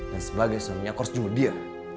dan sebagai suaminya kurs jumlah dia